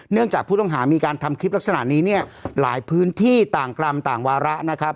จากผู้ต้องหามีการทำคลิปลักษณะนี้เนี่ยหลายพื้นที่ต่างกรรมต่างวาระนะครับ